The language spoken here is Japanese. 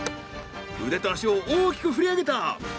腕と足を大きく振り上げた。